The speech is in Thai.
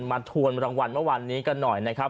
ทวนรางวัลเมื่อวานนี้กันหน่อยนะครับ